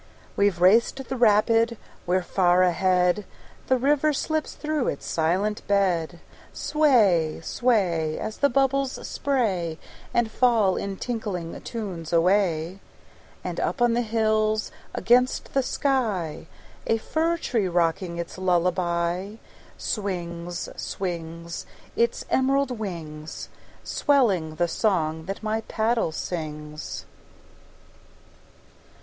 We've raced the rapid, we're far ahead! The river slips through its silent bed. Sway, sway, As the bubbles spray And fall in tinkling tunes away. And up on the hills against the sky, A fir tree rocking its lullaby, Swings, swings, Its emerald wings, Swelling the song that my paddle sings.